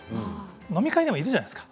飲み会でもいるじゃないですか